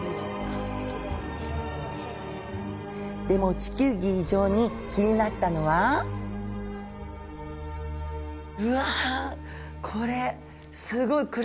でも、地球儀以上に気になったのはうわあ、これ、すごい。